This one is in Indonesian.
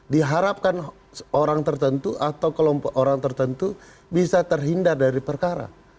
diharapkan orang tertentu atau kelompok orang tertentu bisa terhindar dari perkara